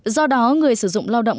do đó người sử dụng lao động